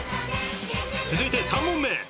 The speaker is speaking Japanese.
続いて３問目。